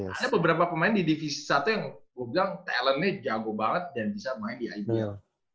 ada beberapa pemain di divisi satu yang gue bilang talentnya jago banget dan bisa main di ibl